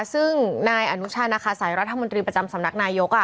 ซึ่งนายอนุชานาคาสัยรัฐมนตรีประจำสำนักนายก